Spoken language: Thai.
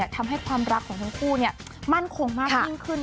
ทำให้ความรักของทั้งคู่มั่นคงมากยิ่งขึ้น